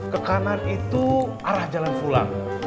ke kanan itu arah jalan pulang